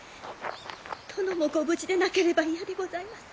殿もご無事でなければ嫌でございます。